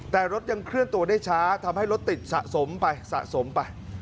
แต่รถยังเคลื่อนตัวได้ช้าทำให้รถติดสะสมไปสะสมไป